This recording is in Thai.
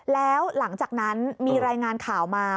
แล้วหลังจากนั้นมีรายงานข่าวมา